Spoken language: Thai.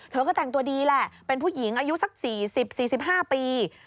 เธอก็แต่งตัวดีแหละเป็นผู้หญิงอายุสัก๔๐๔๕ปี